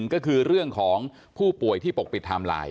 ก็คือเรื่องของผู้ป่วยที่ปกปิดไทม์ไลน์